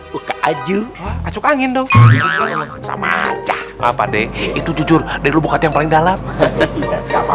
buka aja masuk angin dong sama aja apa deh itu jujur dari lubuk yang paling dalam enggak